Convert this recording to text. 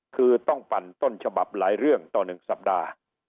คือต้องปั่นต้นฉบับหลายเรื่องต่อ๑สัปดาห์